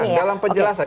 masukkan dalam penjelasan